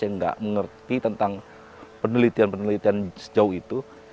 yang nggak mengerti tentang penelitian penelitian sejauh itu